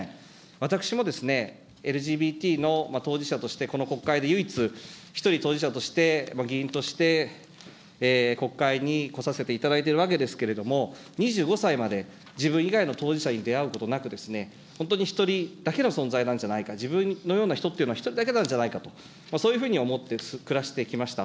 私もＬＧＢＴの当事者としてこの国会で唯一一人当事者として、議員として、国会に来させていただいているわけですけれども、２５歳まで自分以外の当事者に出会うことなく、本当に１人だけの存在なんじゃないか、人っていうのは１人だけなんじゃないかと、そういうふうに思って暮らしてきました。